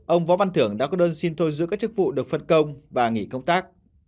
ông võ văn thưởng đã có đơn xin thôi giữ các chức vụ được phân công và nghỉ công tác